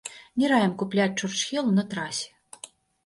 Не раім купляць чурчхелу на трасе.